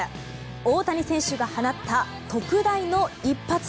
大谷選手が放った特大の一発。